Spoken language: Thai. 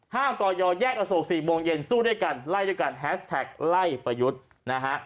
ห้ามต่อยอยอดแยกอโฉคสองเย็นที่สู้ด้วยกันไล่ด้วยกันแฮสแท็กไล่ประยุทธ์นะฮะ